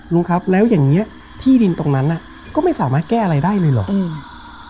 ลุงครับแล้วอย่างเงี้ยที่ดินตรงนั้นน่ะก็ไม่สามารถแก้อะไรได้เลยเหรออืม